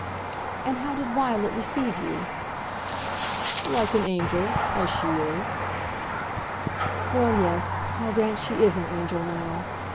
"And how did Violet receive you?" "Like an angel, as she is." "Well, yes. I'll grant she is an angel now.